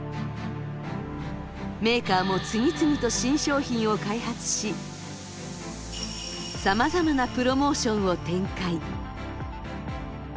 メーカーも次々と新商品を開発しさまざまなプロモーションを展開。